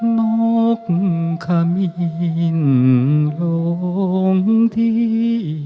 นกขมิ้นหลงที่